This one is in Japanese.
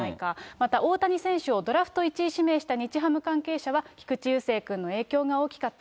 また、大谷選手をドラフト１位指名した日本ハムの関係者は、菊池雄星君の影響が大きかった。